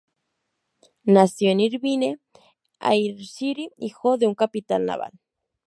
Nació en Irvine, Ayrshire, hijo de un capitán naval.